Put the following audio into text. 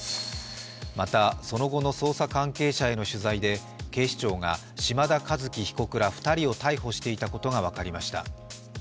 またその後の捜査関係者への取材で島田和樹被告ら２人を逮捕していたことが分かりました。